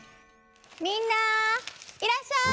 みんないらっしゃい！